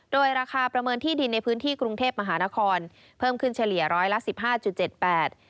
โดยราคาประเมินที่ดินในพื้นที่กรุงเทพมหานครเพิ่มขึ้นเฉลี่ย๑๑๕๗๘บาท